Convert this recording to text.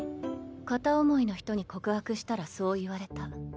片思いの人に告白したらそう言われた。